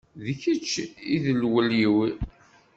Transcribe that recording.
D kečč i d lwel-iw.